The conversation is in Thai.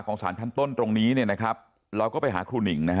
สารชั้นต้นตรงนี้เนี่ยนะครับเราก็ไปหาครูหนิ่งนะฮะ